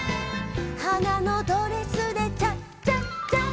「はなのドレスでチャチャチャ」